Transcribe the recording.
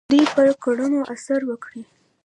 دوی پر کړنو اثر وکړي.